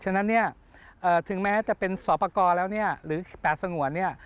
ฉะนั้นถึงแม้จะเป็นสอปกรแล้วหรือป่าสงวน